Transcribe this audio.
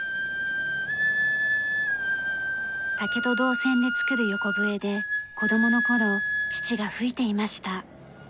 竹と銅線で作る横笛で子供の頃父が吹いていました。